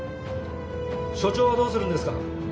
署長はどうするんですか？